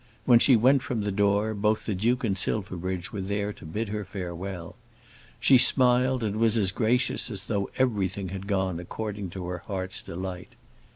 When she went from the door, both the Duke and Silverbridge were there to bid her farewell. She smiled and was as gracious as though everything had gone according to her heart's delight.